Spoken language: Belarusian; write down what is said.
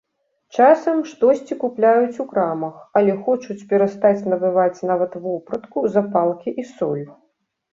Часам штосьці купляюць у крамах, але хочуць перастаць набываць нават вопратку, запалкі і соль.